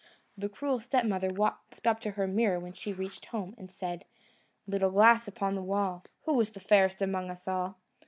The cruel stepmother walked up to her mirror when she reached home, and said: "Little glass upon the wall, Who is fairest among us all?"